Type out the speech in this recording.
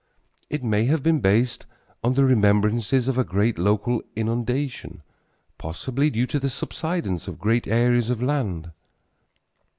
It may have been based on the remembrances of a great local inundation, possibly due to the subsidence of great areas of land.